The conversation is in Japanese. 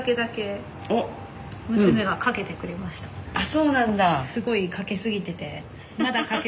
そうなんだ！